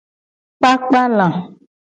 Kpakpa la.